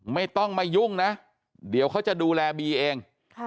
ไม่ต้องมายุ่งนะเดี๋ยวเขาจะดูแลบีเอง